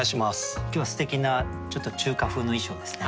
今日はすてきなちょっと中華風の衣装ですね。